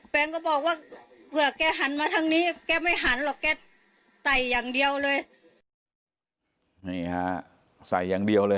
แป๊งก็บอกว่าเผื่อแกหันมาทั้งนี้แกไม่หันหรอกแกใส่อย่างเดียวเลย